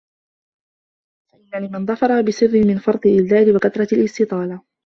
فَإِنَّ لِمَنْ ظَفِرَ بِسِرٍّ مِنْ فَرْطِ الْإِدْلَالِ وَكَثْرَةِ الِاسْتِطَالَةِ